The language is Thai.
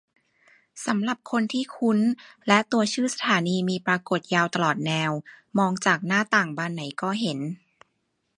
สำหรับคนที่คุ้น และตัวชื่อสถานีมีปรากฏยาวตลอดแนว มองจากหน้าต่างบานไหนก็เห็น